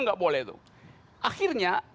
nggak boleh akhirnya